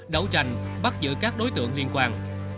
đấu tranh bắt giữ các đối tượng liên quan